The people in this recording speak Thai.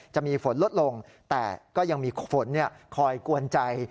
จะมีฝนลดลงแต่ก็ยังมีฝนคอยกวนใจ